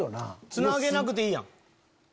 つなげなくていい？